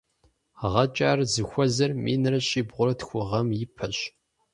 Гъэкӏэ ар зыхуэзэр минрэ щибгъурэ тху гъэм ипэщ.